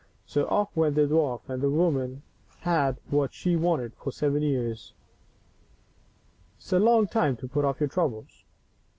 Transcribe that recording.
So off went the dwarf, and the woman had what she wanted, for seven years is a long time to put off our troubles.